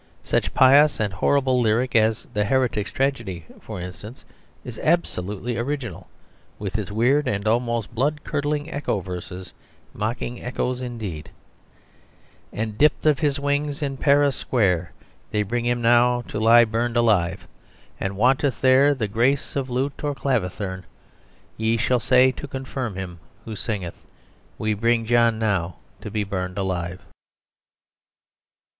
Such a pious and horrible lyric as "The Heretic's Tragedy," for instance, is absolutely original, with its weird and almost blood curdling echo verses, mocking echoes indeed "And dipt of his wings in Paris square, They bring him now to lie burned alive. [And wanteth there grace of lute or clavicithern, ye shall say to confirm him who singeth We bring John now to be burned alive."